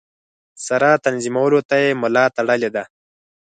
سره تنظیمولو ته یې ملا تړلې ده.